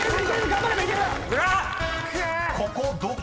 ［ここどこ？］